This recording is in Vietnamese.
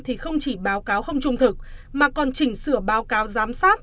thì không chỉ báo cáo không trung thực mà còn chỉnh sửa báo cáo giám sát